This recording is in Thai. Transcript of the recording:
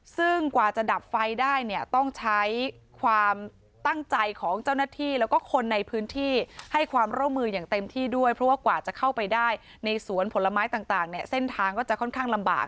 ซึ่งกว่าจะดับไฟได้เนี่ยต้องใช้ความตั้งใจของเจ้าหน้าที่แล้วก็คนในพื้นที่ให้ความร่วมมืออย่างเต็มที่ด้วยเพราะว่ากว่าจะเข้าไปได้ในสวนผลไม้ต่างเนี่ยเส้นทางก็จะค่อนข้างลำบาก